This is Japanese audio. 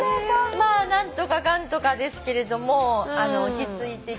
まあ何とかかんとかですけれども落ち着いてきて。